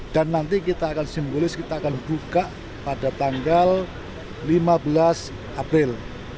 dan nanti kita akan simbolis kita akan buka pada tanggal lima belas april